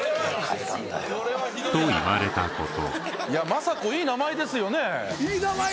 まさこいい名前ですよね。